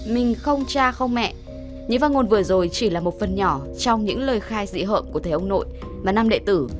mình không cha không mẹ những phát ngôn vừa rồi chỉ là một phần nhỏ trong những lời khai dị hợm của thầy ông nội và năm đệ tử